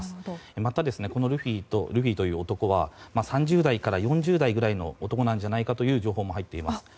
また、このルフィという男は３０代から４０代ぐらいの男なんじゃないかという情報も入っています。